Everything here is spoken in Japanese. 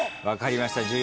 分かりました。